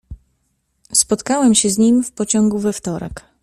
"Spotkałem się z nim w pociągu we wtorek."